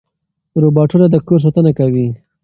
روباټونه د کور ساتنه کوي.